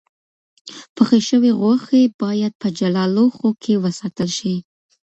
پخې شوې غوښې باید په جلا لوښو کې وساتل شي.